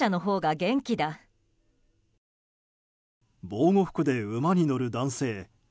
防護服で馬に乗る男性。